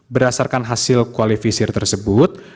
berdasarkan hasil qualifisir tersebut